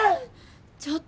ちょっと。